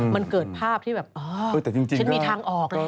มันเกิดภาพที่แบบเออฉันมีทางออกแล้ว